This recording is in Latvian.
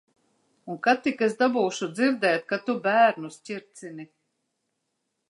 Un kad tik es dabūšu dzirdēt, ka tu bērnus ķircini.